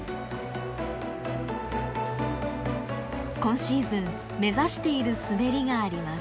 今シーズン目指している滑りがあります。